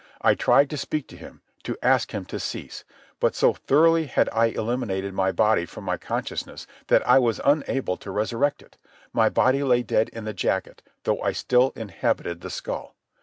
I tried to speak to him, to ask him to cease. But so thoroughly had I eliminated my body from my consciousness that I was unable to resurrect it. My body lay dead in the jacket, though I still inhabited the skull.